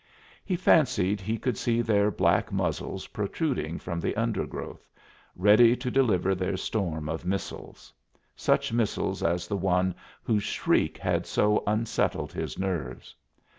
He fancied he could see their black muzzles protruding from the undergrowth, ready to deliver their storm of missiles such missiles as the one whose shriek had so unsettled his nerves.